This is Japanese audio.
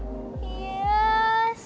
よし！